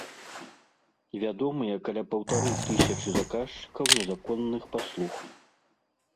Вядомыя каля паўтары тысячы заказчыкаў незаконных паслуг.